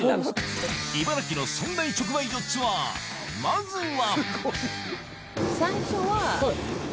茨城の３大直売所ツアーまずは！